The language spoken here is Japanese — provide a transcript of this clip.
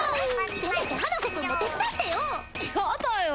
せめて花子くんも手伝ってよやだよ